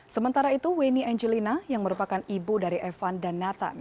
sementara itu wenny angelina yang merupakan ibu dari evan dan nata